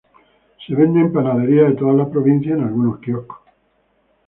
Se venden en panaderías de toda la provincia y en algunos quioscos.